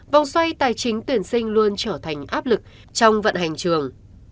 vòng xoay tài chính tuyển sinh luôn trở thành áp lực trong vận hành trường